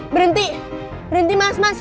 berhenti berhenti mas mas